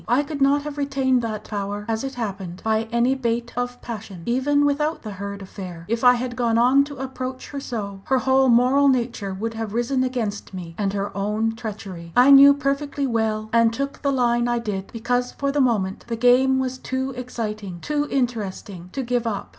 I could not have retained that power, as it happened, by any bait of passion. Even without the Hurd affair, if I had gone on to approach her so, her whole moral nature would have risen against me and her own treachery. I knew that perfectly well, and took the line I did because for the moment the game was too exciting, too interesting, to give up.